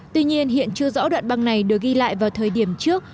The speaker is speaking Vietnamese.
tuy nhiên hiện chưa rõ đoạn băng này được ghi lại vào thời điểm trước